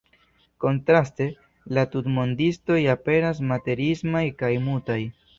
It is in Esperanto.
Kontraste, la tutmondistoj aperas materiismaj kaj mutaj.